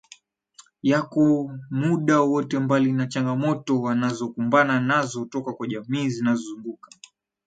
yako muda wowote Mbali na changamoto wanazo kumbana nazo toka kwa jamii zinazo zunguka